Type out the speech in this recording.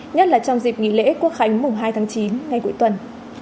nhất là trong dịp nghỉ lễ quốc khánh mùng hai tháng chín ngay cuối tuần